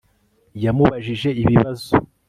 Yamubajije ibibazo